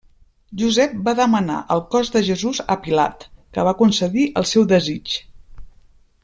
Josep va demanar el cos de Jesús a Pilat, que va concedir el seu desig.